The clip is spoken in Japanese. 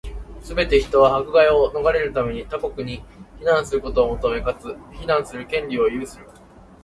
すべて人は、迫害を免れるため、他国に避難することを求め、かつ、避難する権利を有する。